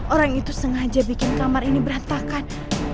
orang itu sengaja bikin kamar ini berantakan